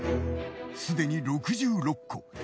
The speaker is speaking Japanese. すでに６６個。